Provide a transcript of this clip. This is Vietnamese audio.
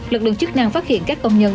lực lượng chức năng phát hiện các công nhân